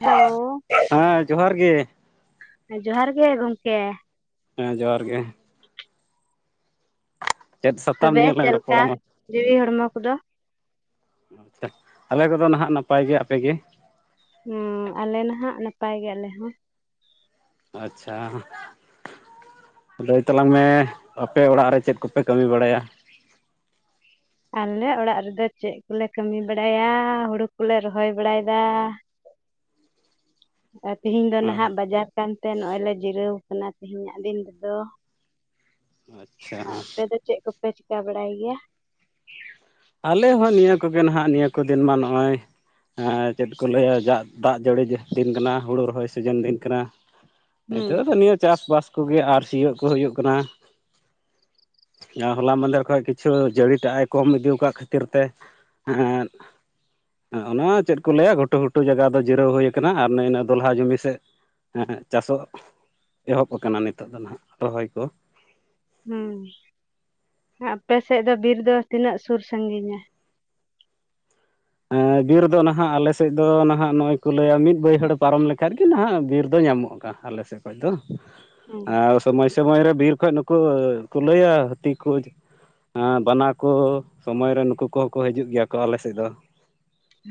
Hello, ᱦᱮᱸ ᱡᱚᱦᱟᱨ ᱜᱮ ᱮ ᱡᱚᱦᱟᱨ ᱜᱮ ᱜᱚᱝᱠᱮ᱾ ᱦᱮᱸ ᱡᱚᱦᱟᱨ ᱜᱮ᱾ ᱪᱮᱫ ᱥᱟᱛᱟᱢ ᱛᱚᱵᱮ ᱱᱤᱭᱟᱹ ᱞᱟᱝ ᱪᱮᱫ ᱞᱮᱠᱟ ᱨᱚᱯᱚᱲᱟ ᱢᱟ᱾ ᱡᱤᱣᱤ ᱦᱚᱲᱢᱚ ᱠᱚᱫᱚ ᱟᱪᱪᱷᱟ, ᱟᱞᱮ ᱠᱚᱫᱚ ᱱᱟᱦᱟᱜ ᱱᱟᱯᱟᱭ ᱜᱮ ᱟᱯᱮ ᱜᱮ? ᱩᱸ ᱟᱞᱮ ᱱᱟᱦᱟᱜ ᱱᱟᱯᱟᱭ ᱜᱮ ᱟᱞᱮ ᱦᱚᱸ᱾ ᱟᱪᱪᱷᱟ᱾ ᱞᱟᱹᱭ ᱛᱟᱞᱟᱝ ᱢᱮ ᱟᱯᱮ ᱚᱲᱟᱜ ᱨᱮ ᱪᱮᱫ ᱠᱚᱯᱮ ᱠᱟᱹᱢᱤ ᱵᱟᱲᱟᱭᱟ? ᱟᱞᱮ ᱚᱲᱟᱜ ᱨᱮᱫᱚ ᱪᱮᱜ ᱠᱚᱞᱮ ᱠᱟᱹᱢᱤ ᱵᱟᱲᱟᱭᱟ? ᱦᱩᱲᱩ ᱠᱚᱞᱮ ᱨᱚᱦᱚᱭ ᱵᱟᱲᱟᱭᱫᱟ᱾ ᱟᱨ ᱛᱤᱦᱤᱧ ᱫᱚ ᱱᱟᱦᱟᱜ ᱵᱟᱡᱟᱨ ᱠᱟᱱᱛᱮ, ᱱᱚᱜᱼᱚᱭ ᱞᱮ ᱡᱤᱨᱟᱹᱣ ᱠᱟᱱᱟ ᱛᱮᱦᱮᱧᱟᱜ ᱫᱤᱱ ᱨᱮᱫᱚ᱾ ᱟᱪᱪᱷᱟ ᱟᱯᱮ ᱫᱚ ᱪᱮᱜ ᱠᱚᱯᱮ ᱪᱤᱠᱟ ᱵᱟᱲᱟᱭ ᱜᱮᱭᱟ? ᱟᱞᱮ ᱦᱚᱸ ᱱᱤᱭᱟᱹ ᱠᱚᱜᱮ, ᱱᱟᱦᱟᱜ ᱱᱤᱭᱟᱹ ᱠᱚ ᱫᱤᱱ ᱢᱟ ᱱᱚᱜᱼᱚᱭ᱾ ᱪᱮᱫ ᱠᱚ ᱞᱟᱹᱭᱟ, ᱡᱟᱜ ᱫᱟᱜ ᱡᱟᱹᱲᱤ ᱫᱤᱱ ᱠᱟᱱᱟ ᱦᱩᱲᱩ ᱨᱚᱦᱚᱭ ᱥᱤᱡᱤᱱ ᱫᱤᱱ ᱠᱟᱱᱟ᱾ ᱦᱮᱸ ᱱᱤᱛᱚᱜ ᱫᱚ ᱱᱤᱭᱟᱹ ᱪᱟᱥᱼᱵᱟᱥ ᱠᱚᱜᱮ ᱟᱨ ᱥᱤᱭᱳᱜ ᱠᱚ ᱦᱩᱭᱩᱜ ᱠᱟᱱᱟ᱾ ᱦᱚᱞᱟ ᱢᱟᱫᱮᱨ ᱠᱷᱚᱡ ᱠᱤᱪᱷᱩ ᱡᱟᱹᱲᱤ ᱴᱟᱜᱼ ᱮ ᱠᱚᱢ ᱤᱫᱩᱣ᱾ ᱠᱟᱜ ᱠᱷᱟᱹᱛᱤᱨ ᱛᱮ᱾ ᱚᱱᱟ ᱪᱮᱫ ᱠᱚ ᱞᱟᱹᱭᱟ ᱜᱷᱩᱴᱩ ᱜᱷᱩᱴᱩ ᱚᱱᱟ ᱡᱟᱭᱜᱟ ᱫᱚ ᱡᱤᱨᱟᱹᱣ ᱦᱩᱭ ᱠᱟᱱᱟ᱾ ᱟᱨ ᱱᱟᱹᱭ ᱤᱱᱟᱹ ᱫᱚ ᱞᱟᱦᱟ ᱡᱚᱢᱤ ᱥᱮᱜ᱾ ᱪᱟᱥᱚᱜ ᱮᱦᱚᱵ ᱟᱠᱟᱱᱟ ᱱᱤᱛᱚᱜ ᱫᱚ ᱱᱟᱦᱟᱜ ᱨᱚᱦᱚᱭ ᱠᱚ᱾ ᱦᱩᱸ ᱟᱯᱮ ᱥᱮᱜ ᱫᱚ ᱵᱤᱨ ᱫᱚ ᱛᱤᱱᱟᱹᱜ ᱥᱩᱨ ᱥᱟᱹᱜᱤᱧᱟ? ᱵᱤᱨ ᱫᱚ ᱱᱟᱦᱟᱜ ᱟᱞᱮ ᱥᱮᱜ ᱫᱚ ᱱᱟᱦᱟᱜ ᱱᱚᱜᱼᱚᱭ ᱠᱚ ᱞᱟᱹᱭᱟ ᱢᱤᱫ ᱵᱟᱹᱭᱦᱟᱹᱲ ᱯᱟᱨᱚᱢ ᱞᱮᱠᱷᱟᱡ ᱜᱮ ᱱᱟᱦᱟᱜ ᱵᱤᱨ ᱫᱚ ᱧᱟᱢᱚᱜ ᱠᱟᱱᱟ᱾ ᱟᱞᱮ ᱥᱮᱜ ᱠᱷᱚᱡ ᱫᱚ, ᱦᱮᱸ ᱟᱨ᱾ ᱥᱚᱢᱚᱭ ᱥᱚᱢᱚᱭ ᱨᱮ ᱵᱤᱨ ᱠᱷᱚᱡ ᱱᱩᱠᱩ ᱠᱩᱞᱟᱹᱭ ᱟᱨ ᱦᱟᱹᱛᱤ ᱠᱚ ᱦᱟᱡᱩᱜ᱾ ᱦᱮᱸ ᱵᱟᱱᱟ ᱠᱚ ᱥᱚᱢᱚᱭ ᱨᱮ ᱱᱩᱠᱩ ᱠᱚᱦᱚᱸ ᱠᱚ ᱦᱤᱡᱩᱜ ᱜᱮᱭᱟ ᱠᱚ ᱟᱞᱮ ᱥᱮᱫ ᱫᱚ᱾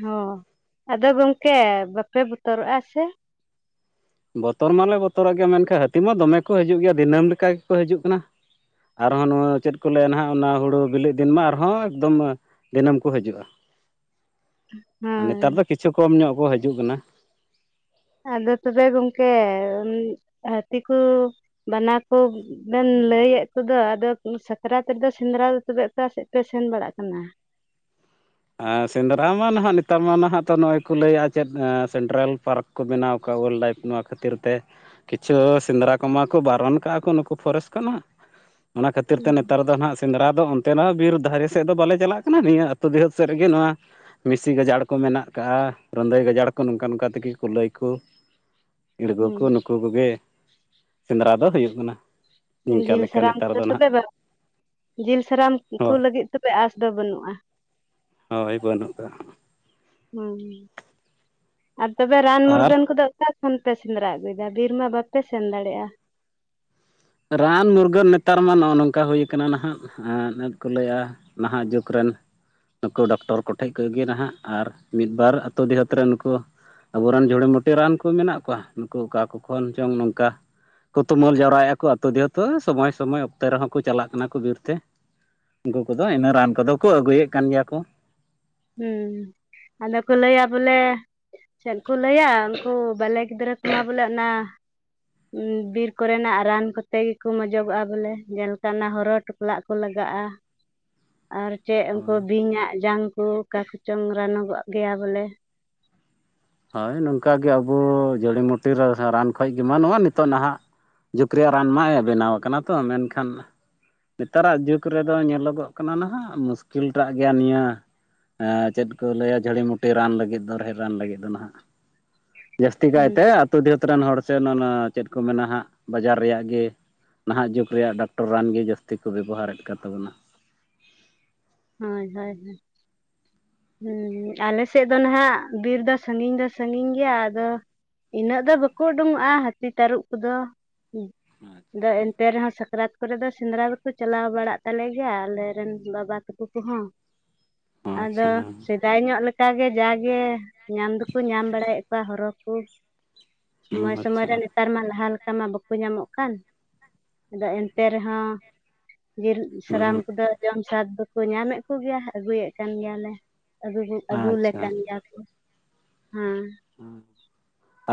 ᱦᱚᱸ ᱟᱫᱚ ᱜᱚᱢᱠᱮ ᱵᱟᱯᱮ ᱵᱚᱛᱚᱨᱚᱜᱼᱟ ᱥᱮ? ᱵᱚᱛᱚᱨ ᱢᱟᱞᱮ ᱵᱚᱛᱚᱨᱚᱜ ᱜᱮᱭᱟ, ᱢᱮᱱᱠᱷᱟᱱ ᱦᱟᱹᱛᱤ ᱢᱟ ᱫᱚᱢᱮ ᱠᱚ ᱦᱤᱡᱩᱜ ᱜᱮᱭᱟ ᱫᱤᱱᱟᱹᱢ ᱞᱮᱠᱟ ᱜᱮᱠᱚ ᱦᱤᱡᱩᱜ ᱠᱟᱱᱟ᱾ ᱟᱨᱦᱚᱸ ᱱᱚᱣᱟ ᱪᱮᱫ ᱠᱚ ᱞᱟᱹᱭᱟ ᱱᱟᱦᱟᱜ ᱚᱱᱟ ᱦᱳᱲᱳ ᱵᱮᱞᱮᱜ ᱫᱤᱱ ᱢᱟ ᱟᱨᱦᱚᱸ ᱮᱠᱫᱚᱢ ᱫᱤᱱᱟᱹᱢ ᱠᱚ ᱦᱤᱡᱩᱜᱼᱟ᱾ ᱦᱮᱸ ᱱᱮᱛᱟᱨ ᱫᱚ ᱠᱤᱪᱷᱩ ᱠᱚᱢ ᱧᱚᱜ ᱠᱚ ᱦᱤᱡᱩᱜ ᱠᱟᱱᱟ᱾ ᱟᱫᱚ ᱛᱚᱵᱮ ᱜᱚᱢᱠᱮ ᱦᱟᱹᱛᱤ ᱠᱚ, ᱵᱟᱱᱟ ᱠᱚ᱾ ᱵᱮᱱ ᱞᱟᱹᱭᱮᱜ ᱠᱚᱫᱚ, ᱟᱫᱚ ᱥᱟᱠᱨᱟᱛ ᱨᱮᱫᱚ ᱥᱮᱸᱫᱽᱨᱟ ᱫᱚ ᱛᱚᱵᱮ ᱚᱠᱟ ᱥᱮᱜ ᱯᱮ ᱥᱮᱱ ᱵᱟᱲᱟᱜ ᱠᱟᱱᱟ? ᱥᱮᱸᱫᱽᱨᱟ ᱢᱟ ᱱᱟᱦᱟᱜ ᱱᱮᱛᱟᱨ ᱢᱟ ᱚᱱᱟ ᱦᱚ ᱛᱚ ᱱᱚᱜᱼᱚᱭ ᱠᱚ ᱞᱟᱹᱭᱟ ᱪᱮᱫ ᱥᱮᱱᱴᱨᱟᱞ ᱯᱟᱨᱠ᱾ ᱠᱚ ᱵᱮᱱᱟᱣ ᱠᱟᱜ ᱵᱚᱞᱮ᱾ ᱱᱚᱣᱟ ᱠᱷᱟᱹᱛᱤᱨ ᱛᱮ᱾ ᱠᱤᱪᱷᱩ ᱥᱮᱸᱫᱽᱨᱟ ᱠᱚᱢᱟ ᱠᱚ ᱵᱟᱨᱚᱱ ᱠᱟᱜᱼᱟ ᱠᱚ ᱱᱩᱠᱩ ᱯᱷᱚᱨᱮᱥᱴ ᱠᱷᱚᱱᱟᱜ᱾ ᱚᱱᱟ ᱠᱷᱟᱹᱛᱤᱨ ᱛᱮ ᱱᱮᱛᱟᱨ ᱫᱚ ᱱᱟᱜ, ᱥᱮᱸᱫᱽᱨᱟ ᱫᱚ ᱚᱱᱛᱮ ᱨᱮᱦᱚᱸ ᱵᱤᱨ ᱫᱟᱨᱮ ᱥᱮᱫ ᱫᱚ ᱵᱟᱞᱮ ᱪᱟᱞᱟᱜ ᱠᱟᱱᱟ᱾ ᱱᱤᱭᱟᱹ ᱟᱹᱛᱩ ᱫᱤᱦᱟᱹᱛ᱾ ᱥᱮᱜ ᱨᱮᱜᱮ ᱱᱚᱣᱟ᱾ ᱵᱤᱥᱤ ᱜᱟᱡᱟᱲ ᱠᱚ ᱢᱮᱱᱟᱜ ᱠᱟᱜᱼᱟ, ᱨᱚᱫᱚᱭ ᱜᱟᱡᱟᱲ ᱠᱚ ᱱᱚᱝᱠᱟ ᱱᱚᱝᱠᱟ ᱛᱮᱜᱮ ᱠᱩᱞᱟᱹᱭ ᱠᱩ᱾ ᱤᱲᱜᱚ ᱠᱚ ᱱᱩᱠᱩ ᱠᱚᱜᱮ ᱥᱮᱸᱫᱽᱨᱟ ᱫᱚ ᱦᱩᱭᱩᱜ ᱠᱟᱱᱟ᱾ ᱤᱱᱠᱟ ᱡᱤᱞ ᱞᱮᱠᱟ ᱥᱟᱨᱟᱢ ᱱᱮᱛᱟᱨ ᱠᱚ ᱫᱚ ᱱᱟᱦᱟᱜ ᱛᱚᱵᱮ ᱵᱟᱝ ᱡᱤᱞ ᱥᱟᱨᱟᱢ ᱠᱚ ᱦᱚᱸ ᱞᱟᱹᱜᱤᱫ᱾ ᱛᱚᱵᱮ ᱟᱥ ᱫᱚ ᱵᱟᱹᱱᱩᱜᱼᱟ᱾ ᱦᱳᱭ ᱵᱟᱹᱱᱩᱜ ᱠᱟᱜ-ᱟ᱾ ᱦᱩᱸ ᱟᱨ ᱛᱚᱵᱮ ᱨᱟᱱ ᱟᱨ ᱢᱩᱨᱜᱟᱹᱱ ᱠᱚᱫᱚ ᱚᱠᱟ᱾ ᱠᱷᱚᱱ ᱯᱮ ᱥᱮᱸᱫᱽᱨᱟ ᱟᱹᱜᱩᱭᱫᱟ ᱵᱤᱨ ᱢᱟ ᱵᱟᱯᱮ ᱥᱮᱱ ᱫᱟᱲᱮᱭᱟᱜᱼᱟ᱾ ᱨᱟᱱ ᱢᱩᱨᱜᱟᱹᱱ ᱱᱮᱛᱟᱨ ᱢᱟ ᱱᱚᱜᱼᱚ ᱱᱚᱝᱠᱟ ᱦᱩᱭ ᱠᱟᱱᱟ ᱱᱟᱦᱟᱜ ᱟᱨ ᱱᱮᱫ ᱠᱚ ᱞᱟᱹᱭᱟ᱾ ᱱᱟᱦᱟᱜ ᱡᱩᱜᱽ ᱨᱮᱱ᱾ ᱱᱩᱠᱩ ᱰᱚᱠᱴᱚᱨ ᱠᱚᱴᱷᱮᱡ ᱠᱚᱡ ᱜᱮ ᱱᱟᱦᱟᱜ᱾ ᱟᱨ ᱢᱤᱫ ᱵᱟᱨ ᱟᱛᱳ ᱰᱤᱦᱟᱹᱛ ᱨᱮᱱ ᱱᱩᱠᱩ᱾ ᱟᱵᱚᱨᱮᱱ ᱡᱩᱲᱤᱵᱩᱴᱤ ᱨᱟᱱ ᱠᱚ ᱢᱮᱱᱟᱜ ᱠᱚᱣᱟ, ᱱᱩᱠᱩ ᱚᱠᱟ ᱠᱚ ᱠᱷᱚᱱ ᱪᱚᱝ ᱱᱚᱝᱠᱟ᱾ ᱠᱚ ᱛᱩᱢᱟᱹᱞ ᱡᱟᱣᱨᱟᱭᱮᱫᱼᱟ ᱠᱚ᱾ ᱟᱹᱛᱳ ᱫᱤᱦᱟᱹᱛ ᱛᱚᱜ ᱥᱚᱢᱚᱭ ᱥᱚᱢᱚᱭ ᱚᱠᱛᱮ ᱨᱮᱦᱚᱸ ᱠᱚ ᱪᱟᱞᱟᱜ ᱠᱟᱱᱟ ᱠᱚ ᱵᱤᱨᱛᱮ᱾ ᱩᱝᱠᱩ ᱠᱚᱫᱚ ᱤᱱᱟᱹ ᱨᱟᱱ ᱠᱚᱫᱚ ᱠᱚ ᱟᱹᱜᱩᱭᱮᱜ ᱠᱟᱱ ᱜᱮᱭᱟ ᱠᱚ᱾ ᱦᱩᱸ ᱟᱫᱚ ᱠᱚ ᱞᱟᱹᱭᱟ ᱵᱚᱞᱮ᱾ ᱪᱮᱫ ᱠᱚ ᱞᱟᱹᱭᱟ ᱩᱝᱠᱩ ᱵᱟᱞᱮ ᱜᱤᱫᱽᱨᱟᱹ ᱠᱚᱢᱟ ᱵᱚᱞᱮ ᱚᱱᱟ᱾ ᱵᱤᱨ ᱠᱚᱨᱮᱱᱟᱜ ᱨᱟᱱ ᱠᱚᱛᱮ ᱜᱮᱠᱚ ᱢᱚᱡᱚᱜᱚᱜᱼᱟ ᱵᱚᱞᱮ᱾ ᱡᱮᱞᱮᱠᱟ ᱚᱱᱟ ᱦᱚᱨᱚ᱾ ᱦᱚᱞᱟᱜ ᱠᱚ ᱞᱟᱜᱟᱜᱼᱟ ᱟᱨ᱾ ᱪᱮᱜ ᱩᱝᱠᱩ ᱵᱤᱧᱟᱜ ᱡᱟᱝ ᱠᱚ ᱚᱠᱟ ᱠᱚᱪᱚᱝ ᱨᱟᱱᱚᱜᱚᱜ ᱜᱮᱭᱟ ᱵᱚᱞᱮ᱾ ᱦᱳᱭ ᱱᱚᱝᱠᱟ ᱜᱮ ᱟᱵᱚ ᱡᱩᱲᱤᱢᱩᱴᱤ ᱨᱟ ᱨᱟᱱ ᱠᱷᱚᱡ ᱜᱮ ᱢᱟ, ᱱᱚᱣᱟ ᱱᱤᱛᱚᱜ ᱱᱟᱦᱟᱜ ᱡᱩᱠ ᱨᱮᱭᱟᱜ ᱨᱟᱱ ᱢᱟᱭ ᱵᱮᱱᱟᱣ ᱠᱟᱱᱟ ᱛᱚ᱾ ᱢᱮᱱᱠᱷᱟᱱ ᱱᱮᱛᱟᱨᱟᱜ ᱡᱩᱜᱽ ᱨᱮᱫᱚ ᱧᱮᱞᱚᱜᱚᱜ ᱠᱟᱱᱟ ᱱᱟᱦᱟᱜ ᱢᱩᱥᱠᱤᱞᱴᱟᱜ ᱜᱮᱭᱟ ᱱᱤᱭᱟᱹ᱾ ᱮ ᱪᱮᱫ ᱠᱚ ᱞᱟᱹᱭᱟ ᱡᱷᱟᱹᱲᱤᱢᱩᱴᱤ ᱨᱟᱱ ᱞᱟᱹᱜᱤᱫ ᱫᱚ ᱨᱮᱦᱮᱫ ᱨᱟᱱ ᱞᱟᱹᱜᱤᱫ ᱫᱚ ᱱᱟᱦᱟᱜ ᱡᱟᱹᱥᱛᱤ ᱦᱩᱸ ᱠᱟᱭᱛᱮᱼᱼ ᱟᱛᱳ ᱫᱤᱦᱟᱹᱛ ᱨᱮᱱ ᱦᱚᱲ ᱥᱮ ᱚᱱᱮ ᱚᱱᱟ ᱪᱮᱫ ᱠᱚ ᱢᱮᱱᱟ ᱦᱟᱸᱜ ᱵᱟᱡᱟᱨ ᱨᱮᱭᱟᱜ ᱜᱮ ᱱᱟᱦᱟᱜ ᱡᱩᱜᱽ ᱨᱮᱭᱟᱜ ᱰᱟᱠᱴᱚᱨ ᱨᱟᱱ ᱜᱮ ᱡᱟᱹᱥᱛᱤ ᱠᱚ ᱵᱮᱵᱚᱦᱟᱨᱮᱫ ᱠᱟᱱ ᱛᱟᱵᱚᱱᱟ ᱦᱳᱭ ᱦᱳᱭ ᱦᱳᱭ ᱦᱮᱸ ᱟᱞᱮ ᱥᱮᱫ ᱫᱚ ᱱᱟᱦᱟᱜ ᱵᱤᱨ ᱫᱚ ᱥᱟᱺᱜᱤᱧ ᱫᱚ ᱥᱟᱺᱜᱤᱧ ᱜᱮᱭᱟ ᱟᱫᱚᱼᱼ ᱤᱱᱟᱹᱜ ᱫᱚ ᱵᱟᱠᱚ ᱩᱰᱩᱠᱚᱜᱼᱟ ᱦᱟᱹᱛᱤ ᱛᱟᱹᱨᱩᱵ ᱠᱚᱫᱚ ᱟᱫᱚ ᱮᱱᱛᱮ ᱨᱮᱦᱚᱸ ᱥᱟᱠᱨᱟᱛᱼᱼ ᱠᱚᱨᱮ ᱫᱚ ᱥᱮᱸᱫᱽᱨᱟ ᱠᱚᱠᱚ ᱪᱟᱞᱟᱣ ᱵᱟᱲᱟᱜ ᱛᱟᱞᱮ ᱜᱮᱭᱟ ᱟᱞᱮ ᱨᱮᱱ ᱵᱟᱵᱟ ᱛᱟᱠᱚ ᱠᱚᱦᱚᱸ ᱟᱫᱚ ᱟᱪᱪᱷᱟ ᱥᱮᱫᱟᱭ ᱧᱚᱜ ᱞᱮᱠᱟ ᱠᱟ ᱜᱮ ᱡᱟᱜᱮ ᱧᱟᱢ ᱫᱚᱠᱚ ᱧᱟᱢ ᱵᱟᱲᱟᱭᱮᱫ ᱠᱚᱣᱟ ᱦᱚᱨᱚ ᱠᱚ ᱥᱚᱢᱚᱭ ᱥᱚᱢᱚᱭ ᱟᱪᱪᱷᱟ ᱨᱮ ᱱᱮᱛᱟᱨ ᱢᱟ ᱞᱟᱦᱟ ᱞᱮᱠᱟ ᱢᱟ ᱵᱟᱠᱚᱼᱼ ᱵᱟᱠᱚ ᱧᱟᱢᱚᱜ ᱠᱟᱱ ᱟᱫᱚ ᱮᱱᱛᱮ ᱨᱮᱦᱚᱸ ᱡᱤᱞ ᱥᱟᱨᱚᱢ ᱠᱚᱫᱚᱼᱼ ᱡᱚᱢ ᱥᱟᱫ ᱫᱚᱠᱚ ᱧᱟᱢᱮᱫ ᱠᱚ ᱜᱮᱭᱟ ᱟᱹᱜᱩᱭᱮᱫ ᱠᱟᱱ ᱜᱮᱭᱟᱞᱮ ᱟᱹᱜᱩ ᱞᱮ ᱟᱪᱪᱷᱟ ᱟᱪᱪᱷᱟ ᱠᱟᱱ ᱜᱮᱭᱟ ᱠᱚ ᱦᱮᱸ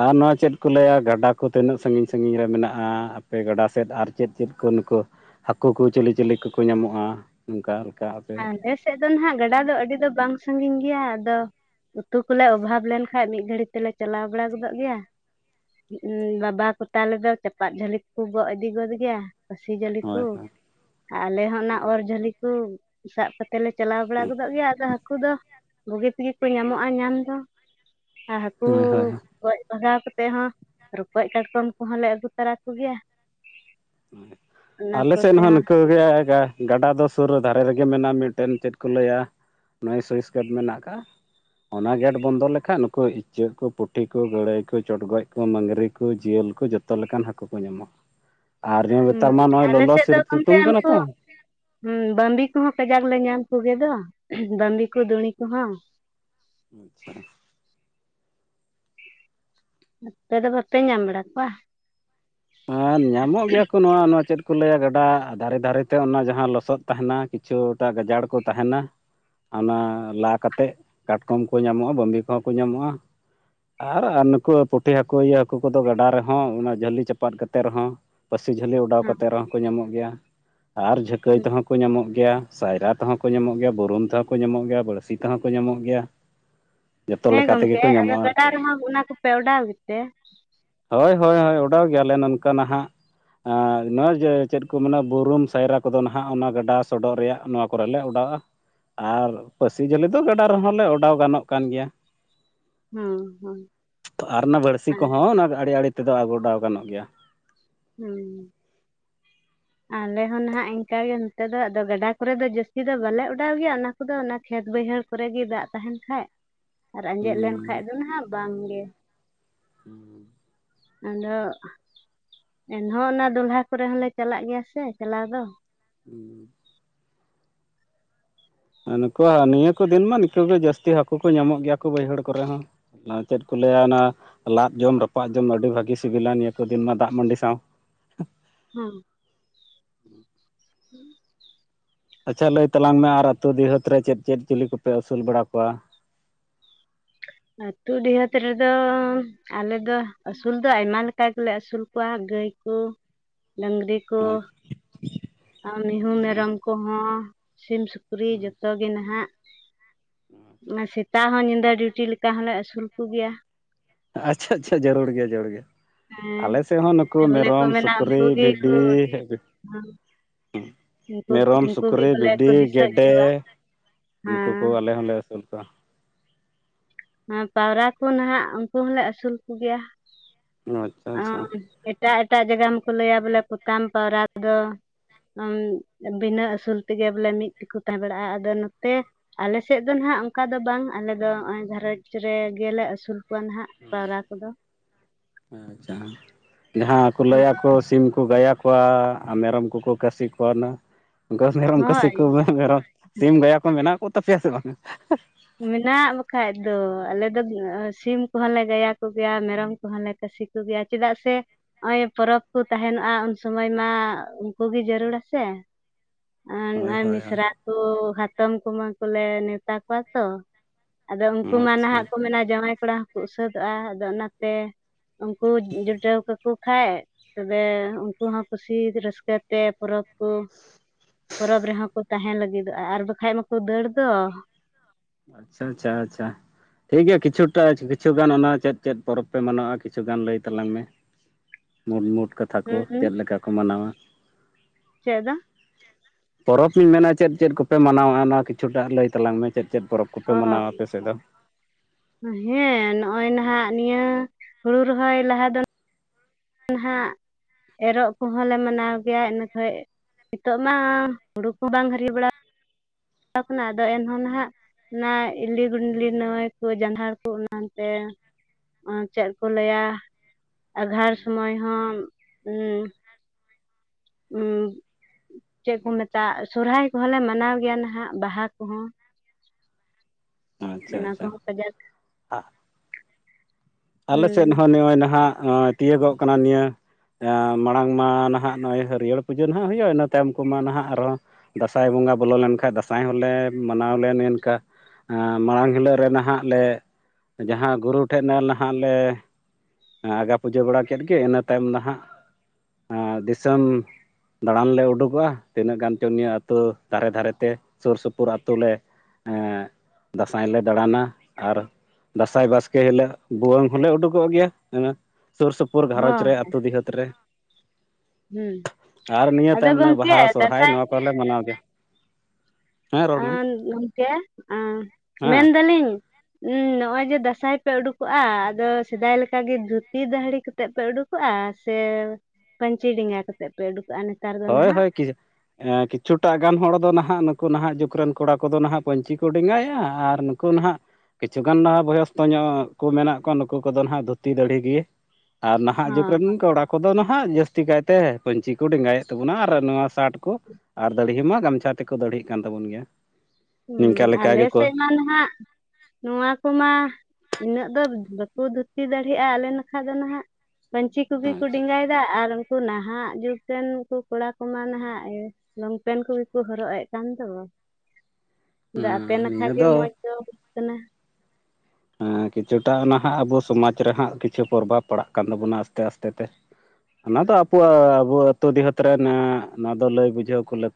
ᱟᱨ ᱱᱚᱣᱟ ᱪᱮᱫ ᱠᱚ ᱞᱟᱹᱭᱟ ᱜᱟᱰᱟ ᱠᱚ ᱛᱤᱱᱟᱹᱜ ᱥᱟᱺᱜᱤᱧ ᱥᱟᱺᱜᱤᱧ ᱨᱮ ᱢᱮᱱᱟᱜᱼᱟ ᱟᱯᱮ ᱜᱟᱰᱟ ᱥᱮᱫ ᱟᱨ ᱪᱮᱫ ᱪᱮᱫ ᱠᱚ ᱱᱩᱠᱩᱼᱼ ᱦᱟᱹᱠᱩ ᱠᱚ ᱪᱮᱞᱮ ᱪᱮᱞᱮ ᱠᱚᱠᱚ ᱧᱟᱢᱚᱜᱼᱟ ᱱᱚᱝᱠᱟ ᱞᱮᱠᱟ ᱟᱯᱮ ᱟᱞᱮ ᱥᱮᱫ ᱫᱚ ᱱᱟᱦᱟᱜ ᱜᱟᱰᱟ ᱫᱚ ᱟᱹᱰᱤ ᱫᱚ ᱵᱟᱝ ᱥᱟᱺᱜᱤᱧ ᱜᱮᱭᱟ ᱟᱫᱚᱼᱼ ᱩᱛᱩ ᱠᱚᱞᱮ ᱚᱵᱷᱟᱵ ᱞᱮᱱᱠᱷᱟᱡ ᱢᱤᱫ ᱜᱷᱟᱹᱲᱤ ᱛᱮᱞᱮ ᱪᱟᱞᱟᱣ ᱵᱟᱲᱟ ᱜᱚᱫᱚᱜ ᱜᱮᱭᱟ ᱵᱟᱵᱟ ᱠᱚ ᱛᱟᱞᱮ ᱫᱚ ᱪᱟᱯᱟᱫ ᱡᱷᱟᱹᱞᱤ ᱠᱚ ᱜᱚᱜ ᱤᱫᱤ ᱜᱚᱫ ᱜᱮᱭᱟ ᱯᱟᱹᱥᱤ ᱡᱷᱟᱹᱞᱤ ᱠᱚ ᱦᱳᱭ ᱟᱨ ᱟᱞᱮ ᱦᱚᱸ ᱚᱱᱟ ᱚᱨ ᱡᱷᱟᱹᱞᱤ ᱠᱚ ᱥᱟᱵ ᱠᱟᱛᱮᱫ ᱞᱮ ᱪᱟᱞᱟᱣ ᱵᱟᱲᱟ ᱜᱚᱫᱚᱜ ᱜᱮᱭᱟ ᱟᱫᱚ ᱦᱟᱹᱠᱩ ᱫᱚ ᱵᱩᱜᱤ ᱛᱮᱜᱮ ᱠᱚ ᱧᱟᱢᱚᱜᱼᱟ ᱧᱟᱢ ᱫᱚ ᱟᱨ ᱦᱟᱹᱠᱩ ᱦᱳᱭ ᱦᱳᱭ ᱦᱳᱭ ᱜᱚᱡ ᱵᱷᱟᱜᱟᱣ ᱠᱟᱛᱮᱫ ᱦᱚᱸ ᱨᱚᱠᱚᱡ ᱠᱟᱴᱠᱚᱢ ᱠᱚᱦᱚᱸ ᱞᱮ ᱟᱹᱜᱩ ᱛᱚᱨᱟ ᱠᱚᱜᱮᱭᱟ ᱚᱱᱟ ᱟᱞᱮ ᱥᱮᱫ ᱠᱚᱛᱮ ᱦᱚᱸ ᱱᱤᱠᱟ. ᱜᱮ ᱜᱟᱰᱟ ᱫᱚ ᱥᱩᱨ ᱨᱮ ᱫᱷᱟᱨᱮ ᱨᱮᱜᱮ ᱢᱮᱱᱟᱜᱼᱟ ᱢᱤᱫᱴᱮᱱ ᱪᱮᱫ ᱠᱚ ᱞᱟᱹᱭᱟ ᱱᱟ‌. ᱭ ᱥᱩᱭᱤᱥᱠᱮᱴ ᱢᱮᱱᱟᱜ ᱠᱟᱫ ᱟ ᱚᱱᱟ ᱜᱮᱴ ᱵᱚᱱᱫᱚ ᱞᱮᱠᱷᱟᱡ ᱱᱩᱠᱩ ᱤᱪᱟᱹᱜ ᱠᱚ ᱯᱩᱴᱷᱤ ᱠᱚ ᱜᱟᱹᱲᱟᱹᱭ ᱠᱚ ᱪᱚᱴᱜᱚᱡ ᱠᱚ ᱢᱟᱹᱜᱽᱨᱤ ᱠᱚ ᱡᱤᱭᱟᱹᱞ ᱠᱚ ᱡᱚᱛᱚᱼᱼ ᱡᱚᱛᱚ ᱞᱮᱠᱟᱱ ᱦᱟᱹᱠᱩ ᱠᱚ ᱧᱟᱢᱚᱜᱼᱟ ᱟᱨ ᱱᱮᱛᱟᱨ ᱢᱟ ᱦᱩᱸ ᱱᱚᱜᱼᱚᱭ ᱟᱞᱮ ᱞᱚᱞᱚ ᱥᱮᱫ ᱫᱚ ᱜᱚᱢᱠᱮ ᱥᱤᱛᱩᱝ ᱠᱟᱱᱟ ᱩᱱᱠᱩᱼᱼ ᱛᱚ ᱦᱩᱸ ᱵᱟᱺᱵᱤ ᱠᱚᱦᱚᱸ ᱠᱟᱡᱟᱠ ᱞᱮ ᱧᱟᱢ ᱠᱚ ᱜᱮᱫᱚ ᱵᱟᱺᱵᱤ ᱠᱚ ᱫᱩᱲᱤ ᱠᱚᱦᱚᱸ ᱟᱪᱪᱷᱟ ᱟᱯᱮ ᱫᱚ ᱵᱟᱯᱮ ᱧᱟᱢ ᱵᱟᱲᱟ ᱠᱚᱣᱟ ᱦᱮᱸ ᱧᱟᱢᱚᱜ ᱜᱮᱭᱟ ᱠᱚ ᱱᱚᱣᱟ ᱱᱚᱣᱟ ᱪᱮᱫ ᱠᱚᱼᱼ ᱠᱚ ᱞᱟᱹᱭᱟ ᱜᱟᱰᱟ ᱫᱷᱟᱨᱮ ᱫᱷᱟᱨᱮᱛᱮ ᱚᱱᱟ ᱡᱟᱦᱟᱸ ᱞᱚᱥᱚᱫ ᱛᱟᱦᱮᱱᱟ ᱠᱤᱪᱷᱩᱴᱟ ᱜᱟᱡᱟᱲ ᱠᱚ ᱛᱟᱦᱮᱱᱟᱼᱼ ᱚᱱᱟ ᱞᱟ ᱠᱟᱛᱮᱫ ᱠᱟᱴᱠᱚᱢ ᱠᱚ ᱧᱟᱢᱚᱜᱼᱟ ᱵᱟᱺᱵᱤ ᱠᱚᱦᱚᱸ ᱠᱚ ᱧᱟᱢᱚᱜᱼᱟ ᱟᱨ ᱱᱩᱠᱩ ᱯᱩᱴᱷᱤ ᱦᱟᱹᱠᱩ ᱤᱭᱟᱹ ᱦᱟᱹᱠᱩ ᱠᱚᱫᱚ ᱜᱟᱰᱟ ᱨᱮᱦᱚᱸ ᱚᱱᱟ ᱡᱷᱟᱹᱞᱤ ᱪᱟᱯᱟᱫᱼᱼ ᱯᱟᱫ ᱠᱟᱛᱮ ᱨᱮᱦᱚᱸ ᱯᱟᱹᱥᱤ ᱡᱷᱟᱹᱞᱤ ᱚᱰᱟᱣ ᱦᱮᱸ ᱠᱟᱛᱮ ᱨᱮᱦᱚᱸ ᱠᱚ ᱧᱟᱢᱚᱜ ᱜᱮᱭᱟ ᱟᱨ ᱡᱷᱟᱹᱠᱟᱹᱭ ᱛᱮᱦᱚᱸᱼᱼ ᱠᱚ ᱧᱟᱢᱚᱜ ᱜᱮᱭᱟ ᱥᱟᱭᱨᱟ ᱛᱮᱦᱚᱸ ᱠᱚ ᱧᱟᱢᱚᱜ ᱜᱮᱭᱟ ᱵᱩᱨᱩᱱ ᱛᱮᱦᱚᱸ ᱠᱚ ᱧᱟᱢᱚᱜ ᱜᱮᱭᱟ ᱵᱟᱹᱲᱥᱤ ᱛᱮᱦᱚᱸ ᱠᱚ ᱧᱟᱢᱚᱜ ᱜᱮᱭᱟ [inaudible] ᱦᱮᱸ ᱞᱮᱠᱟ ᱜᱚᱢᱠᱮ ᱛᱮᱜᱮ ᱠᱚ ᱟᱫᱚ ᱧᱟᱢᱚᱜᱼᱟ ᱜᱟᱰᱟ ᱨᱮᱦᱚᱸ ᱚᱱᱟ ᱠᱚᱯᱮ ᱚᱰᱟᱣ ᱜᱮᱛᱮ ᱦᱳᱭ ᱦᱳᱭ ᱦᱳᱭ ᱚᱰᱟᱣ ᱜᱮᱭᱟᱞᱮ ᱱᱚᱝᱠᱟ ᱱᱟᱦᱟᱜ ᱱᱚᱜᱼᱚᱭ ᱡᱮ ᱪᱮᱫ ᱠᱚ ᱢᱮᱱᱟ ᱵᱩᱨᱩᱱ ᱥᱟᱭᱨᱟ ᱠᱚᱫᱚ ᱱᱟᱦᱟᱜ ᱚᱱᱟ ᱜᱟᱰᱟ ᱥᱚᱰᱚᱜ ᱨᱮᱭᱟᱜ ᱱᱚᱣᱟᱼᱼ ᱠᱚᱨᱮ ᱞᱮ ᱚᱰᱟᱣᱼᱟ᱾ ᱟᱨ ᱯᱟᱹᱥᱤ ᱡᱷᱟᱹᱞᱤ ᱫᱚ ᱜᱟᱰᱟ ᱨᱮᱦᱚᱸ ᱞᱮ ᱚᱰᱟᱣ ᱜᱟᱱᱚᱜ ᱠᱟᱱ ᱜᱮᱭᱟᱼᱼ ᱦᱮᱸ ᱦᱮᱸ ᱟᱨ ᱚᱱᱟ ᱵᱟᱹᱲᱥᱤ ᱟᱨ ᱠᱚᱦᱚᱸ ᱚᱱᱟ ᱟᱲᱮ ᱟᱲᱮ ᱛᱮᱫᱚ ᱚᱰᱟᱣ ᱜᱟᱱᱚᱜ ᱜᱮᱭᱟ᱾ ᱦᱩᱸ᱾ [inaudible] ᱟᱞᱮ ᱦᱚᱸ ᱱᱟᱦᱟᱜ ᱤᱱᱠᱟᱜᱮ ᱱᱚᱛᱮ ᱫᱚ ᱟᱫᱚ ᱜᱟᱰᱟ ᱠᱚᱨᱮ ᱫᱚ ᱡᱟᱹᱥᱛᱤ ᱫᱚ ᱵᱟᱞᱮ ᱚᱰᱟᱣ ᱜᱮᱭᱟ ᱚᱱᱟᱼᱼ ᱩᱱᱠᱩ ᱫᱚ ᱚᱱᱟ ᱠᱷᱮᱛ ᱵᱟᱹᱭᱦᱟᱹᱲ ᱠᱚᱨᱮ ᱜᱮ ᱫᱟᱜ ᱛᱟᱸᱦᱮᱱ ᱠᱷᱟᱡᱼᱼ ᱟᱨ ᱟᱸᱡᱮᱫ ᱞᱮᱱᱠᱷᱟᱡ ᱦᱩᱸ ᱫᱚ ᱦᱟᱸᱜ ᱵᱟᱝᱜᱮᱼᱼ ᱦᱩᱸ᱾ ᱟᱫᱚᱼᱼ ᱮᱱᱦᱚᱸ ᱚᱱᱟ ᱫᱚᱚᱞᱦᱟ ᱠᱚᱨᱮ ᱦᱚᱞᱮ ᱪᱟᱞᱟᱜ ᱜᱮᱭᱟ ᱥᱮ ᱪᱟᱞᱟᱣ ᱫᱚᱼᱼ ᱦᱩᱸ᱾ ᱱᱩᱠᱩ ᱱᱤᱭᱟᱹ ᱠᱚ ᱫᱤᱱ ᱢᱟ ᱱᱤᱛᱜ ᱜᱮ ᱡᱟᱹᱥᱛᱤ ᱦᱟᱹᱠᱩ ᱠᱚ ᱧᱟᱢᱚᱜ ᱜᱮᱭᱟ ᱠᱚ ᱵᱟᱹᱭᱦᱟᱹᱲ ᱠᱚᱨᱮ ᱦᱚᱸ᱾ ᱪᱮᱫ ᱠᱚ ᱞᱟᱹᱭᱟ ᱚᱱᱟ ᱞᱟᱫ ᱡᱚᱢ ᱨᱟᱯᱟᱜ ᱡᱚᱢ ᱟᱹᱰᱤ ᱵᱷᱟᱜᱤ ᱥᱤᱵᱤᱞᱟ ᱱᱤᱭᱟᱹ ᱠᱚ ᱫᱤᱱ ᱢᱟ ᱫᱟᱜ ᱢᱟᱹᱰᱤ ᱥᱟᱶᱼᱼ ᱦᱩᱸ᱾ [unintelligible] ᱟᱪᱪᱷᱟ ᱞᱟᱹᱭ ᱛᱟᱞᱟᱝ ᱢᱮ ᱟᱨ ᱟᱹᱛᱩ ᱰᱤᱦᱟᱹᱛ ᱨᱮ ᱪᱮᱫ ᱪᱮᱫ ᱪᱤᱞᱤ ᱠᱚᱯᱮ ᱟᱹᱥᱩᱞ ᱵᱟᱲᱟ ᱠᱚᱣᱟ᱾ ᱟᱹᱛᱩ ᱰᱤᱦᱟᱹᱛ ᱨᱮᱫᱚᱼᱼ ᱟᱞᱮ ᱫᱚ ᱟᱹᱥᱩᱞ ᱫᱚ ᱟᱭᱢᱟ ᱞᱮᱠᱟ ᱜᱮᱞᱮ ᱟᱹᱥᱩᱞ ᱠᱚᱣᱟ ᱜᱟᱹᱭ ᱠᱩ ᱰᱟᱝᱨᱤᱼᱼ ᱠᱚᱼᱼ ᱟᱪᱪᱷᱟ ᱟᱨ ᱢᱤᱦᱩ ᱟᱪᱪᱷᱟ ᱢᱮᱨᱚᱢ ᱠᱚᱦᱚᱸ ᱥᱤᱢ ᱥᱩᱠᱨᱤ ᱡᱚᱛᱚ ᱟᱪᱪᱷᱟ ᱜᱮ ᱱᱟᱦᱟᱜᱼᱼ ᱚᱱᱟ ᱥᱮᱛᱟᱜ ᱦᱚᱸ ᱧᱤᱫᱟᱹ ᱰᱤᱭᱩᱴᱤ ᱞᱮᱠᱟ ᱦᱚᱸᱞᱮ ᱟᱹᱥᱩᱞ ᱠᱚᱜᱮᱭᱟ᱾ ᱟᱪᱪᱷᱟ ᱟᱪᱪᱷᱟ ᱡᱟᱹᱨᱩᱲ ᱜᱮᱭᱟ ᱡᱟᱹᱨᱩᱲ ᱜᱮᱭᱟ᱾ ᱦᱮᱸ ᱟᱞᱮ ᱥᱮᱫ ᱦᱚᱸ ᱱᱩᱠᱩ ᱵᱚᱞᱮ ᱠᱚ ᱢᱮᱨᱚᱢ ᱢᱮᱱᱟ ᱥᱩᱠᱨᱤ ᱩᱱᱠᱩ ᱜᱮᱠᱚ ᱵᱷᱤᱰᱤᱼᱼ ᱩᱱᱠᱩ ᱢᱮᱨᱚᱢ ᱩᱱᱠᱩ ᱜᱮ ᱥᱩᱠᱨᱤ ᱵᱚᱞᱮ ᱵᱷᱤᱰᱤ ᱠᱚ ᱫᱤᱥᱟᱹ ᱜᱮᱰᱮ ᱦᱚᱪᱚᱣᱟ ᱩᱱᱠᱩ ᱠᱚ ᱦᱮᱸ ᱟᱞᱮ ᱦᱚᱸᱞᱮ ᱟᱹᱥᱩᱞ ᱠᱚᱣᱟ᱾ ᱯᱟᱣᱨᱟ ᱠᱚ ᱱᱟᱦᱟᱜ ᱩᱱᱠᱩ ᱦᱚᱞᱮ ᱟᱹᱥᱩᱞ ᱠᱚᱜᱮᱭᱟ᱾ ᱟᱪᱪᱷᱟ ᱟᱪᱪᱷᱟ ᱮᱴᱟᱜ ᱮᱴᱟᱜ ᱡᱟᱭᱜᱟ ᱢᱟᱠᱚ ᱞᱟᱹᱭᱟ ᱵᱚᱞᱮ ᱯᱚᱛᱟᱢ ᱯᱟᱣᱨᱟ ᱠᱚ ᱫᱚᱼᱼ ᱵᱤᱱᱟᱹ ᱟᱹᱥᱩᱞ ᱛᱮᱜᱮ ᱵᱚᱞᱮ ᱢᱤᱫ ᱛᱮᱠᱚ ᱛᱟᱦᱮᱸ ᱵᱟᱲᱟᱜᱼᱟ ᱟᱫᱚ ᱱᱚᱛᱮᱼᱼ ᱟᱞᱮᱥᱮᱫ ᱫᱚ ᱱᱟᱦᱱᱟᱜ ᱚᱱᱠᱟ ᱫᱚ ᱵᱟᱝ ᱟᱞᱮ ᱫᱚ ᱱᱚᱭ [inaudible] ᱨᱮᱜᱮᱞᱮ ᱟᱥᱩᱞ᱾ ᱟᱠᱣᱟ ᱱᱟᱦᱟᱜ ᱯᱟᱣᱨᱟ ᱠᱚᱫᱚᱼᱼ ᱡᱟᱦᱟᱸ ᱠᱚ ᱦᱮᱸ ᱞᱟᱹᱭᱟ ᱠᱚ ᱥᱤᱢᱼᱼ ᱜᱟᱭᱟ ᱠᱚᱣᱟ ᱟᱨ ᱢᱮᱨᱚᱢ ᱠᱚᱠᱚ ᱠᱟᱹᱥᱤ ᱠᱚᱣᱟ ᱱᱟᱝ ᱩᱱᱠᱩ ᱢᱮᱨᱚᱢ ᱠᱟᱹᱥᱤ ᱦᱳᱭ ᱠᱚ ᱢᱮ ᱢᱮᱨᱚᱢᱼᱼ ᱥᱤᱢ ᱜᱟᱭᱟ ᱠᱚ ᱢᱮᱱᱟᱜ ᱠᱚᱛᱟᱯᱮᱭᱟ ᱥᱮ ᱵᱟᱝᱼᱟ? ᱢᱮᱱᱟᱜ ᱵᱟᱠᱷᱟᱡ ᱫᱚ ᱟᱞᱮ ᱫᱚ ᱥᱤᱢ ᱠᱚᱦᱚᱸ ᱞᱮ ᱜᱟᱭᱟ ᱠᱚᱜᱮᱭᱟ ᱢᱮᱨᱚᱢ ᱠᱚᱦᱚᱸ ᱞᱮ ᱠᱟᱹᱥᱤᱼᱼ ᱜᱮᱭᱟ ᱪᱮᱫᱟᱜ ᱥᱮ? ᱱᱚᱭ ᱯᱚᱨᱚᱵᱽ ᱠᱚ ᱛᱟᱦᱮᱱᱚᱜᱼᱟ ᱩᱱ ᱥᱚᱢᱚᱭ ᱢᱟ ᱩᱱᱠᱩ ᱜᱮ ᱡᱟᱹᱨᱩᱲᱟ ᱥᱮᱼᱼ ᱦᱳᱭ ᱦᱳᱭ ᱦᱳᱭ ᱢᱤᱥᱨᱟ ᱠᱚ ᱦᱟᱛᱚᱢ ᱠᱩᱢᱟᱹ ᱠᱚᱞᱮ ᱱᱮᱣᱛᱟ ᱠᱚᱣᱟ ᱛᱚᱼᱼ ᱟᱫᱚ ᱩᱱᱠᱩ ᱢᱟ ᱟᱪᱪᱷᱟ ᱱᱟᱦᱟᱜ ᱠᱚ ᱢᱮᱱᱟ ᱡᱟᱶᱟᱭ ᱠᱚᱲᱟ ᱦᱚᱸᱠᱚ ᱩᱥᱟᱹᱫᱚᱜᱼᱟ ᱟᱫᱚ ᱚᱱᱟᱛᱮᱼᱼ ᱩᱱᱠᱩ ᱡᱩᱴᱟᱣ ᱠᱟᱠᱩᱼᱼ ᱦᱮᱸ ᱛᱚᱵᱮ ᱩᱱᱠᱩ ᱦᱚᱸ ᱠᱩᱥᱤ ᱨᱟᱹᱥᱠᱟᱹ ᱛᱮ ᱯᱩᱨᱟ ᱠᱚᱼᱼ ᱯᱚᱨᱚᱵᱽ ᱨᱮᱦᱚᱸ ᱠᱚ ᱛᱟᱦᱮᱱ ᱞᱟᱹᱜᱤᱫᱚᱜᱼᱟ ᱟᱨ ᱵᱟᱠᱷᱟᱱ ᱢᱟᱠᱚ ᱫᱟᱹᱲ ᱫᱚᱼᱼ ᱟᱪᱪᱷᱟ ᱟᱪᱪᱷᱟ ᱟᱪᱪᱷᱟ᱾ ᱴᱷᱤᱠ ᱜᱮᱭᱟ ᱠᱤᱪᱷᱩᱴᱟ ᱠᱤᱪᱷᱩᱜᱟᱱ ᱚᱱᱟ ᱪᱮᱫ ᱪᱮᱫ ᱯᱚᱨᱚᱵᱽ ᱯᱮ ᱢᱟᱱᱟᱣᱟ ᱠᱤᱪᱷᱩᱜᱟᱱ ᱞᱟᱹᱭ ᱛᱟᱞᱟᱝ ᱢᱮ᱾ ᱢᱩᱞᱢᱩᱴ ᱠᱟᱛᱷᱟ ᱠᱚ ᱦᱩᱸ ᱦᱩᱸ ᱪᱮᱫ ᱞᱮᱠᱟ ᱠᱚ ᱢᱟᱱᱟᱣᱟ᱾ ᱪᱮᱫ ᱟᱫᱚᱼᱼ ᱯᱚᱨᱚᱵᱽ ᱤᱧ ᱢᱮᱱᱟ ᱪᱮᱫ ᱪᱮᱫ ᱠᱚᱯᱮ ᱢᱟᱱᱟᱣᱟ ᱚᱱᱟ ᱠᱤᱪᱷᱩᱴᱟ ᱞᱟᱹᱭ ᱛᱟᱞᱟᱝ ᱢᱮ ᱪᱮᱫ ᱪᱮᱫ ᱯᱚᱨᱚᱵᱽ ᱠᱚᱯᱮ ᱦᱚ, ᱢᱟᱱᱟᱣᱟ ᱟᱯᱮ ᱥᱮᱫ ᱫᱚ? ᱦᱮᱸ ᱱᱚᱜᱚᱭ ᱱᱟᱦᱟᱜ ᱱᱤᱭᱟᱹ ᱦᱩᱲᱩ ᱨᱚᱦᱚᱭ ᱞᱟᱦᱟ ᱫᱚ ᱱᱟᱦᱟᱜ᱾ ᱱᱟᱦᱟᱜ, ᱮᱨᱚᱜ ᱠᱚᱦᱚᱸ ᱞᱮ ᱢᱟᱱᱟᱣ ᱜᱮᱭᱟ ᱤᱱᱟᱹᱠᱷᱟᱱ ᱱᱤᱛᱚᱜ ᱢᱟ ᱦᱩᱲᱩ ᱠᱚᱦᱚᱸ ᱵᱟᱝ ᱦᱟᱹᱨᱤᱭᱟᱹᱲ ᱵᱟᱲᱟ ᱠᱟᱱᱟ ᱟᱫᱚ ᱮᱱᱦᱚᱸ ᱱᱟᱦᱟᱜ᱾ ᱚᱱᱟ ᱤᱞᱤ ᱜᱩᱰᱞᱤ ᱱᱟᱹᱭ ᱠᱚ ᱡᱟᱱᱰᱷᱟᱲ ᱠᱚ ᱚᱱᱟ ᱛᱮ᱾ᱬ ᱪᱮᱫ ᱠᱚ ᱞᱟᱹᱭᱟ ᱟᱸᱜᱷᱟᱲ ᱥᱚᱢᱚᱭ ᱦᱚᱸ, ᱦᱩᱸ, ᱪᱮᱫ ᱠᱚ ᱟᱪᱪᱷᱟ ᱢᱮᱛᱟᱜᱼᱟ ᱥᱚᱨᱦᱟᱭ ᱠᱚᱦᱚᱸᱞᱮ ᱢᱟᱱᱟᱣ ᱜᱮᱭᱟ ᱱᱟᱦᱟᱜ ᱵᱟᱦᱟ ᱠᱚᱦᱚᱸ᱾ ᱟᱪᱪᱷᱟ ᱚᱱᱟ ᱟᱪᱪᱷᱟ ᱠᱚᱦᱚᱸ ᱯᱟᱡᱟᱠ ᱠᱟᱱ᱾ ᱟᱞᱮ ᱥᱮᱫ ᱦᱩᱸ ᱦᱚᱸ ᱱᱚᱜᱼᱚᱭ ᱱᱟᱦᱟᱜ ᱛᱤᱭᱳᱜᱚᱜ ᱠᱟᱱᱟ ᱱᱤᱭᱟᱹ ᱢᱟᱲᱟᱝ ᱢᱟ ᱱᱟᱦᱟᱜ ᱱᱚᱜᱼᱚᱭ ᱦᱟᱹᱨᱭᱟᱹᱲ ᱯᱩᱡᱟᱹ ᱱᱟᱦᱟᱜ ᱦᱩᱭᱩᱜᱼᱟ ᱤᱱᱟᱹ ᱛᱟᱭᱚᱢ ᱠᱚᱢᱟ ᱱᱟᱦᱟᱜ ᱟᱨᱦᱚᱸ ᱫᱟᱸᱥᱟᱭ ᱵᱚᱸᱜᱟ ᱵᱚᱞᱚ ᱞᱮᱱᱠᱟᱱ ᱫᱟᱸᱥᱟᱭ ᱦᱚᱸᱞᱮ ᱢᱟᱱᱟᱣ ᱞᱮᱭᱟ ᱚᱱᱠᱟ᱾ ᱢᱟᱲᱟᱝ ᱦᱤᱞᱳᱜ ᱨᱮ ᱱᱟᱦᱟᱜ ᱞᱮ ᱡᱟᱦᱟᱸ ᱜᱩᱨᱩ ᱴᱷᱮᱡ ᱱᱟ ᱟᱞᱮ ᱟᱸᱜᱟ ᱯᱩᱡᱟᱹ ᱵᱟᱲᱟ ᱠᱮᱫ ᱜᱮ ᱤᱱᱟᱹ ᱛᱟᱭᱚᱢ ᱦᱟᱸᱜ᱾ ᱟᱨ ᱫᱤᱥᱚᱢ, ᱫᱟᱬᱟᱱ ᱞᱮ ᱩᱰᱩᱠᱚᱜᱼᱟ ᱛᱤᱱᱟᱹᱜ ᱜᱟᱱ ᱪᱚᱝ ᱱᱤᱭᱟᱹ ᱟᱹᱛᱩ ᱫᱷᱟᱨᱮ ᱫᱷᱟᱨᱮᱛᱮ ᱥᱩᱨ ᱥᱩᱯᱩᱨ ᱟᱹᱛᱩ ᱞᱮ ᱫᱟᱸᱥᱟᱭ ᱞᱮ ᱫᱟᱬᱟᱱᱟ ᱟᱨ ᱫᱟᱸᱥᱟᱭ ᱵᱟᱥᱠᱮ ᱦᱤᱞᱳᱜ ᱵᱷᱩᱣᱟᱹᱝ ᱦᱚᱸᱞᱮ ᱩᱰᱩᱠᱚᱜ ᱜᱤᱭᱟ ᱥᱩᱨ ᱥᱩᱯᱩᱨ ᱜᱷᱟᱨᱚᱸᱡᱽ ᱨᱮ ᱦᱚᱸ ᱟᱹᱛᱩ ᱰᱤᱦᱟᱹᱛ ᱨᱮ, ᱦᱩᱸ ᱟᱨ ᱱᱤᱭᱟᱹ ᱟᱫᱚ ᱛᱟᱭᱚᱢ ᱜᱚᱢᱠᱮ ᱵᱟᱦᱟ ᱥᱚᱨᱦᱟᱭ ᱫᱟᱸᱥᱟᱭ ᱱᱚᱣᱟ ᱠᱚᱦᱞᱮ ᱢᱟᱱᱟᱣ ᱜᱮᱭᱟ᱾ ᱦᱮᱸ ᱨᱚᱲ ᱢᱮ ᱜᱚᱢᱠᱮ ᱦᱮᱸ ᱢᱮᱱᱫᱟᱞᱤᱧ, ᱱᱚᱜ ᱚᱭ ᱡᱮ ᱫᱟᱸᱥᱟᱭ ᱯᱮ ᱩᱰᱩᱠᱚᱜ-ᱟ ᱟᱫᱚ ᱥᱮᱫᱟᱭ ᱞᱮᱠᱟ ᱜᱮ ᱫᱷᱩᱛᱤ ᱫᱟᱹᱦᱲᱤ, ᱛᱮᱫ ᱯᱮ ᱩᱰᱩᱠᱚᱜᱼᱟ ᱥᱮ ᱯᱟᱹᱧᱪᱤ ᱰᱮᱸᱜᱟ ᱠᱟᱛᱮᱫ ᱯᱮ ᱩᱰᱩᱠᱚᱜᱼᱟ᱾ ᱱᱮᱛᱟᱨ ᱫᱚ ᱦᱳᱭ ᱱᱟᱦᱟᱜ ᱦᱳᱭ ᱠᱤ ᱠᱤᱪᱷᱩᱴᱟᱜ ᱜᱟᱱ ᱦᱚᱲ ᱫᱚ ᱱᱟᱦᱟᱜ ᱱᱩᱠᱩ ᱱᱟᱦᱟᱜ ᱡᱩᱜᱽ ᱨᱮᱱ ᱠᱚᱲᱟ ᱠᱚᱫᱚ ᱱᱟᱦᱟᱜ ᱯᱟᱹᱧᱪᱤ ᱠᱚ ᱰᱮᱸᱜᱟᱭᱟ ᱟᱨ ᱱᱩᱠᱩ ᱱᱟᱦᱟᱜ ᱠᱤᱪᱷᱩ [unintelligible] ᱜᱟᱱ ᱱᱟᱜ ᱵᱚᱭᱚᱥᱛᱚ ᱧᱚᱜ ᱠᱚ ᱢᱮᱱᱟᱜ ᱠᱚᱣᱟ ᱱᱩᱠᱩ ᱠᱚᱫᱚ ᱦᱱᱟᱜ ᱫᱷᱩᱛᱤ ᱫᱟᱹᱲᱦᱤ ᱜᱮ᱾ ᱟᱨ ᱱᱟᱦᱟᱜ ᱡᱩᱜᱽ ᱨᱮᱱ ᱠᱚᱲᱟ ᱠᱚᱫᱚ ᱱᱟᱦᱜ ᱡᱟᱹᱥᱛᱤ ᱠᱟᱭᱛᱮ ᱯᱟᱹᱧᱪᱤ ᱠᱚ ᱰᱮᱸᱜᱟᱭᱮᱫ ᱛᱟᱵᱚᱱᱟ ᱟᱨ ᱱᱚᱣᱟ ᱥᱟᱴ ᱠᱚ ᱟᱨ ᱫᱟᱹᱲᱦᱤ ᱢᱟ ᱜᱟᱢᱪᱷᱟ ᱛᱮᱠᱚ ᱫᱟᱹᱲᱦᱤᱜ ᱠᱟᱱ ᱛᱟᱵᱚᱱ ᱜᱮᱭᱟ᱾ ᱦᱩᱸ ᱱᱤᱝᱠᱟ ᱞᱮᱠᱟ ᱟᱞᱮ ᱜᱮᱠᱚ ᱥᱮᱫ ᱢᱟ ᱱᱟᱦᱟᱜ ᱱᱚᱣᱟ ᱠᱚᱢᱟ, ᱤᱱᱟᱹᱜ ᱫᱚ ᱵᱟᱠᱚ ᱫᱷᱩᱛᱤ ᱫᱟᱹᱲᱦᱤᱜᱼᱟ ᱟᱞᱮ ᱱᱟᱠᱷᱟᱡ ᱫᱚ ᱱᱟᱦᱟᱜ ᱯᱟᱹᱧᱪᱤ ᱠᱚᱜᱮ ᱠᱚ ᱟᱪᱪᱷᱟ ᱰᱮᱸᱜᱟᱭ ᱟᱨ ᱩᱱᱠᱩ ᱱᱟᱦᱟᱜ ᱡᱩᱜᱽ ᱨᱮᱱ ᱠᱚ ᱠᱚᱲᱟ ᱠᱚᱢᱟ ᱱᱟᱦᱟᱜ ᱞᱚᱝᱯᱮᱱ ᱠᱚᱜᱮ ᱠᱚ ᱦᱚᱨᱚᱜ ᱮᱫ ᱠᱟᱱ ᱫᱚ᱾ ᱟᱫᱚ ᱟᱯᱮ ᱦᱮᱸ ᱱᱟᱠᱷᱟ ᱱᱤᱭᱟᱹ ᱜᱮ ᱢᱚᱸᱡᱽ ᱫᱚ ᱦᱩᱭᱩᱜ ᱠᱟᱱᱟ᱾ ᱦᱮᱸ ᱠᱤᱪᱷᱩᱴᱟ ᱚᱱᱟ ᱦᱟᱸᱜ ᱟᱵᱚ ᱥᱚᱢᱟᱡᱽ ᱨᱮ ᱦᱟᱸᱜ ᱠᱤᱪᱷᱩ ᱯᱨᱚᱵᱷᱟᱵᱽ ᱯᱟᱲᱟᱜ ᱠᱟᱱ ᱛᱟᱵᱚᱱᱟ ᱟᱥᱛᱮ ᱟᱥᱛᱮ ᱛᱮ᱾ ᱚᱱᱟ ᱫᱚ ᱟᱵᱚ ᱟᱹᱛᱩ ᱫᱤᱦᱟᱹᱛ ᱨᱮᱱ ᱱᱚᱣᱟ ᱫᱚ ᱞᱟᱹᱭ ᱵᱩᱡᱷᱟᱹᱣ ᱠᱚ ᱞᱟᱹᱠ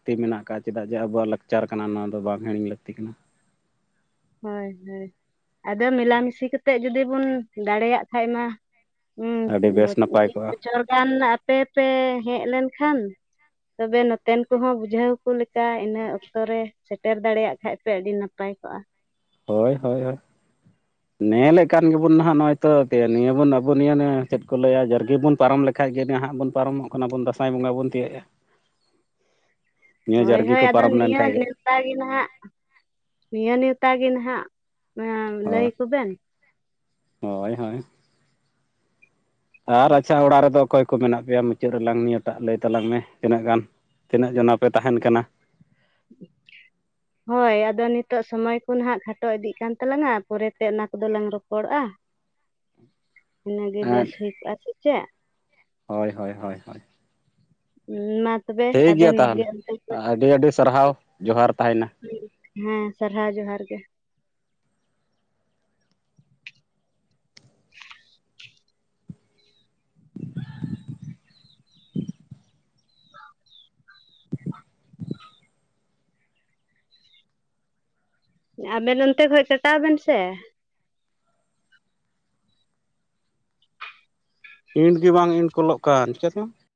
ᱪᱮᱫᱟᱜ ᱡᱮ ᱟᱵᱚᱣᱟᱜ ᱞᱟᱠᱪᱟᱨ ᱠᱟᱱᱟ ᱱᱚᱣᱟ ᱫᱚ ᱵᱟᱝ ᱦᱤᱲᱤᱧ ᱞᱟᱹᱠᱛᱤ ᱠᱟᱱᱟ᱾ ᱦᱳᱭ ᱦᱳᱭ ᱟᱫᱚ ᱢᱮᱞᱟ ᱢᱤᱥᱤ ᱠᱟᱛᱮᱫ ᱡᱩᱫᱤ ᱵᱚᱱ ᱫᱟᱲᱮᱭᱟᱜ ᱠᱷᱟᱱ ᱢᱟ ᱟᱹᱰᱤ ᱦᱩᱸ ᱵᱮᱥ ᱵᱚᱪᱽ ᱢᱤᱫ ᱱᱟᱯᱟᱭ ᱠᱚᱜᱼᱟ ᱵᱚᱪᱷᱚᱨ ᱜᱟᱱ ᱟᱯᱮ ᱯᱮ ᱦᱮᱡ ᱞᱮᱱᱠᱷᱟᱱ ᱛᱚᱵᱮ ᱱᱚᱛᱮᱱ ᱠᱚᱦᱚᱸ ᱵᱩᱡᱷᱟᱹᱣ ᱠᱚ ᱞᱮᱠᱟ ᱤᱱᱟᱹ ᱚᱠᱛᱚ ᱨᱮ ᱥᱮᱴᱮᱨ ᱫᱟᱲᱮᱭᱟᱜ ᱠᱷᱟᱱᱡ ᱯᱮ ᱟᱹᱰᱤ ᱱᱟᱯᱟᱭ ᱠᱚᱜᱼᱟ᱾ ᱦᱳᱭ ᱦᱳᱭ ᱦᱳᱭ᱾ ᱱᱮᱞ ᱞᱮᱠᱟᱱ ᱜᱮᱵᱚᱱ ᱱᱟᱦᱟᱜ ᱱᱚᱜᱼᱚᱭ ᱛᱚ ᱱᱤᱭᱟᱹᱵᱚᱱ ᱟᱵᱚ ᱱᱤᱭᱟᱹᱮ ᱪᱮᱫ ᱠᱚ ᱞᱟᱹᱭᱟ ᱡᱟᱨᱜᱮᱵᱚᱱ ᱯᱟᱨᱚᱢ ᱞᱮᱠᱷᱟᱡ ᱜᱮ ᱱᱟᱦᱟᱜ ᱵᱚᱱ ᱯᱟᱨᱚᱢᱚᱜ ᱠᱟᱱᱟᱵᱚᱱ ᱫᱟᱸᱥᱟᱭ ᱵᱚᱸᱜᱟ ᱵᱚᱱ ᱛᱤᱭᱮᱜᱼᱟ᱾ ᱱᱤᱭᱟᱹ ᱦᱳᱭ ᱡᱟᱨᱜᱤ ᱦᱳᱭ ᱠᱚ ᱟᱫᱚ ᱯᱟᱨᱚᱢ ᱱᱤᱭᱟᱹ ᱞᱮᱱᱠᱷᱟᱡ ᱜᱮ᱾ ᱱᱮᱣᱛᱟ ᱱᱟᱦᱟᱜ ᱱᱤᱭᱟᱹ ᱱᱮᱣᱛᱟ ᱜᱮ ᱱᱟᱦᱟᱜ ᱦᱳᱭ ᱞᱟᱹᱭᱠᱚᱵᱮᱱ᱾ ᱦᱳᱭ ᱦᱳᱭ ᱾ ᱟᱨ ᱟᱪᱪᱷᱟ ᱚᱲᱟᱜ ᱨᱮᱫᱚ ᱚᱠᱚᱭ ᱠᱚ ᱢᱮᱱᱟᱜ ᱯᱮᱭᱟ ᱢᱩᱪᱟᱹᱫ ᱨᱮᱞᱟᱝ ᱱᱤᱭᱟᱹᱴᱟᱜ ᱞᱟᱹᱭ ᱛᱟᱞᱟᱝ ᱢᱮ, ᱛᱤᱱᱟᱹᱜ ᱜᱟᱱ ᱛᱤᱱᱟᱹᱜ ᱡᱚᱱᱟ ᱯᱮ ᱛᱟᱦᱮᱱ ᱠᱟᱱᱟ? [inaudible] ᱦᱳᱭ ᱟᱫᱚ ᱱᱤᱛᱚᱜ ᱥᱚᱢᱚᱭ ᱠᱚ ᱱᱟᱦᱟᱜ ᱠᱷᱟᱴᱚ ᱤᱫᱤᱜ ᱠᱟᱱ ᱛᱟᱞᱟᱝᱼᱟ ᱯᱚᱨᱮᱛᱮ ᱚᱱᱟ ᱠᱚᱫᱚ ᱞᱟᱝ ᱨᱚᱯᱚᱲᱚᱜᱼᱟ ᱾ [inaudible] ᱤᱱᱟᱹᱜᱮ ᱵᱮᱥ ᱦᱩᱭ ᱠᱚᱜᱼᱟ ᱥᱮ ᱪᱮᱫ? ᱦᱳᱭ ᱦᱳᱭ ᱦᱳᱭ ᱦᱳᱭ ᱾ ᱢᱟ ᱛᱚᱵᱮ ᱜᱮᱭᱟ ᱟᱵᱮᱱ ᱜᱮ ᱛᱟᱦᱚᱞᱮ ᱚᱱᱛᱮ ᱠᱷᱚᱡ ᱟᱹᱰᱤ ᱟᱹᱰᱤ ᱥᱟᱨᱦᱟᱣ ᱡᱚᱦᱟᱨ ᱛᱟᱦᱮᱱᱟ [inaudible] ᱦᱮᱸ, ᱥᱟᱨᱦᱟᱣ ᱡᱚᱦᱟᱨ ᱜᱮ ᱾ ᱟᱵᱮᱱ ᱚᱱᱛᱮ ᱠᱷᱚᱡ ᱠᱟᱴᱟᱣ ᱵᱮᱱ ᱥᱮ ᱾ ᱤᱱᱴ ᱜᱮ ᱵᱟᱝ ᱤᱱᱴ ᱠᱚᱞᱚᱜ ᱠᱟᱱ ᱪᱤᱠᱟ ᱪᱚ!